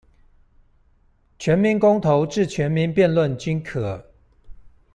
全民公投至全民辯論均可